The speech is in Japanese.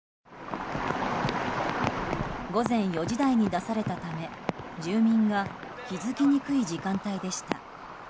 午前４時台に出されたため住民が気付きにくい時間帯でした。